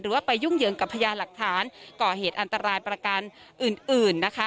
ว่าไปยุ่งเหยิงกับพยานหลักฐานก่อเหตุอันตรายประกันอื่นนะคะ